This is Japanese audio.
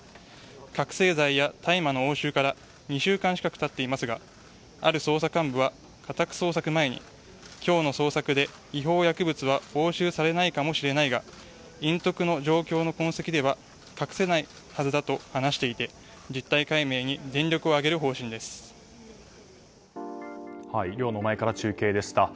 覚醒剤や大麻の押収から２週間近くたっていますがある捜査幹部は、家宅捜索前に今日の捜索で違法薬物は押収されないかもしれないが隠匿の状況の痕跡では隠せないはずだと話していて実態解明に全力を挙げる寮の前から中継でした。